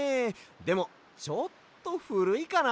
でもちょっとふるいかな。